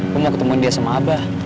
kamu mau ketemu dia sama abah